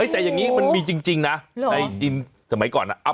แบบนี้มันมีจริงในสมัยก่อนนะ